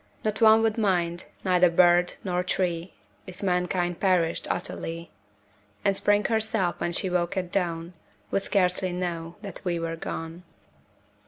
Not one would mind, neither bird nor tree If mankind perished utterly; And Spring herself, when she woke at dawn, Would scarcely know that we were gone.